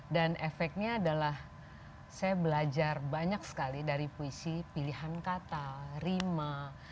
dan efeknya adalah saya belajar banyak sekali dari puisi pilihan kata rima